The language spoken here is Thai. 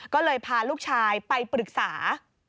ก็เลยพาลูกชายไปปรึกษา